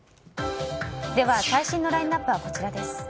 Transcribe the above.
最新のラインアップはこちらです。